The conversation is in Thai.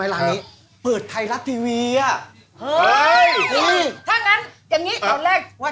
ฮ่าฮ่าฮ่า